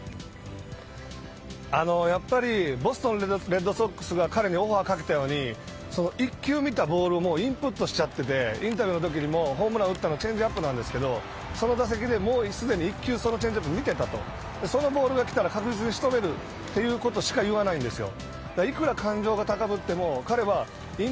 やっぱりボストンレッドソックスが彼にオファーをかけたように１球見たボールもインプットしてインタビューのときにもチェンジアップなんですけどもその打席で、もうすでに１球そのチェンジアップ見ていたとそのボールが来たら確実に仕留めるということしか言わないんですよ。